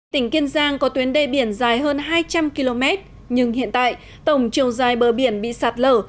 tỉnh kiên giang có tuyến đê biển dài hơn hai trăm linh km nhưng hiện tại tổng chiều dài bờ biển bị sạt lở